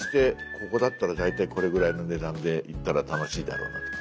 ここだったら大体これぐらいの値段で行ったら楽しいだろうなとかね。